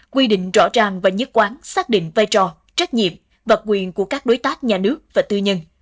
quy định rõ ràng và nhất quán xác định vai trò trách nhiệm và quyền của các đối tác nhà nước và tư nhân